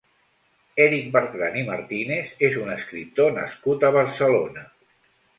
Èric Bertran i Martínez és un escriptor nascut a Barcelona.